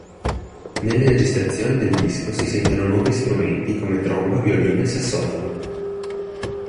Nelle registrazioni del disco di sentono nuovi strumenti come tromba, violino e sassofono.